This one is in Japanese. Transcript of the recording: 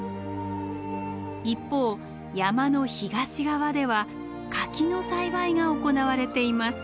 一方山の東側では柿の栽培が行われています。